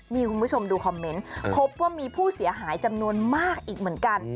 นี่คุณผู้ชมดูคอมเมนต์พบว่ามีผู้เสียหายจำนวนมากอีกเหมือนกัน